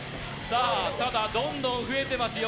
ただ、どんどん増えてますよ。